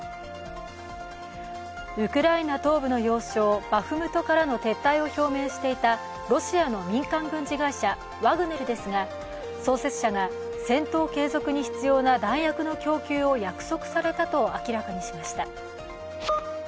ウクライナ東部の要衝バフムトからの撤退を表明していたロシアの民間軍事会社ワグネルですが、創設者が戦闘継続に必要な弾薬の供給を約束されたと明らかにしました。